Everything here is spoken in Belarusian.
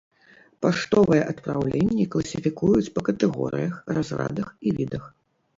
Паштовыя адпраўленні класіфікуюць па катэгорыях, разрадах і відах.